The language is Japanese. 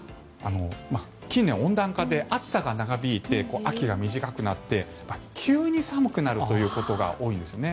近年、温暖化で暑さが長引いて秋が短くなって、急に寒くなるということが多いんですよね。